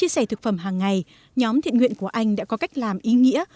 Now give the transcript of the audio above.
sẻ thực phẩm hàng ngày nhóm thiện nguyện của anh đã có cách làm ý nghĩa